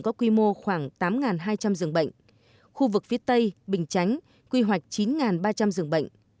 có quy mô khoảng tám hai trăm linh giường bệnh khu vực phía tây bình chánh quy hoạch chín ba trăm linh giường bệnh